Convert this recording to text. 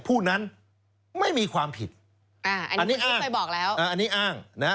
ผู้นั้นไม่มีความผิดอ่าอันนี้อ้างอ่าอันนี้อ้างนะฮะ